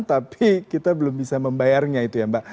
tapi kita belum bisa membayarnya itu ya mbak